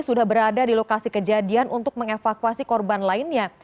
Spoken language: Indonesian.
sudah berada di lokasi kejadian untuk mengevakuasi korban lainnya